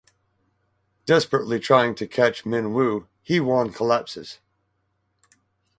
Desperately trying to catch Min-woo, Hye-won collapses.